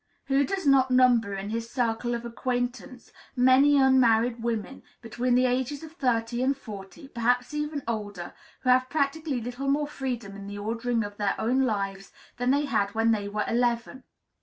Who does not number in his circle of acquaintance many unmarried women, between the ages of thirty and forty, perhaps even older, who have practically little more freedom in the ordering of their own lives than they had when they were eleven?